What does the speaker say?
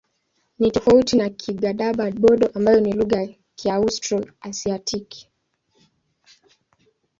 Ni tofauti na Kigadaba-Bodo ambayo ni lugha ya Kiaustro-Asiatiki.